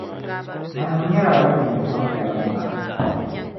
Nanima nyɛla ban yɛn sɔŋ tarimba .